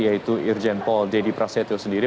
yaitu irjen pol dedy prasetyo sendiri